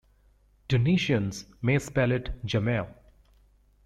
Tunisians may spell it "Jamel".